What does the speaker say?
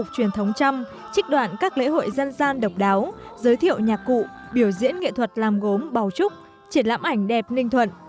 chích đoạn các lễ hội dân gian độc đáo giới thiệu nhạc cụ biểu diễn nghệ thuật làm gốm bào trúc triển lãm ảnh đẹp ninh thuận